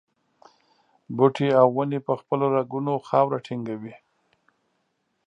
بوټي او ونې په خپلو رګونو خاوره ټینګوي.